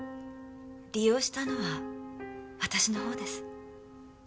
利用したのは私の方です。